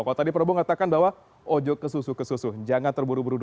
kalau tadi prabowo katakan bahwa ojo kesusu kesusu jangan terburu buru